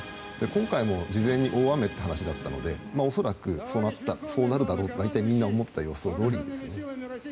今回も事前に大雨という話だったので恐らくそうなるだろうと大体みんな思って予想どおりですね。